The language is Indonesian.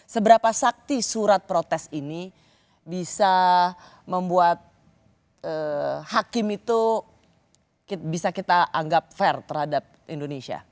seberapa sakti surat protes ini bisa membuat hakim itu bisa kita anggap fair terhadap indonesia